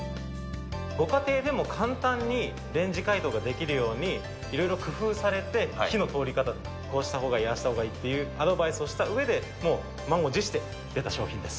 ご家庭でも簡単にレンジ解凍ができるように、いろいろ工夫されて、火の通り方とか、こうしたほうがいい、ああしたほうがいいというアドバイスをしたうえで、もう満を持して出た商品です。